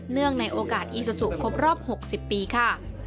ในโอกาสอีซูซูครบรอบ๖๐ปีค่ะ